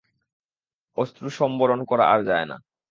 অশ্রুসম্বরণ করা আর যায় না।